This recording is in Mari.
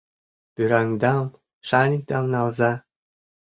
Вӱраҥдам, шаньыкдам налза.